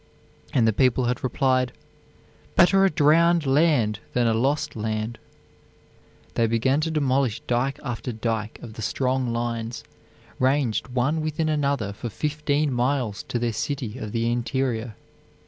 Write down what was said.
_" and the people had replied: "Better a drowned land than a lost land." They began to demolish dike after dike of the strong lines, ranged one within another for fifteen miles to their city of the interior.